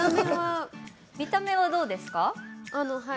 見た目はどうですか？